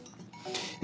え